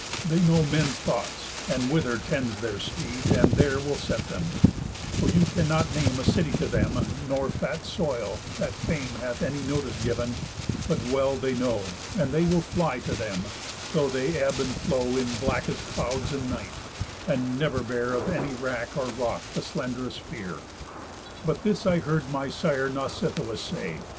They know men's thoughts, and whither tends their speed, And there will set them; for you cannot name A city to them, nor fat soil, that Fame Hath any notice giv'n, but well they know, And they will fly to them, though they ebb and flow In blackest clouds and nights; and never bear Of any wrack or rock the slend'rest fear. But this I heard my sire Nausithous say.